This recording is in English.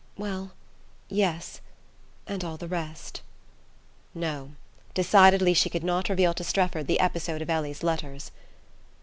"Well yes; and all the rest." No decidedly she could not reveal to Strefford the episode of Ellie's letters.